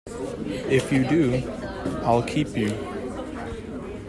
If you do, I’ll keep you.